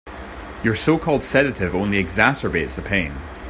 Your so-called sedative only exacerbates the pain.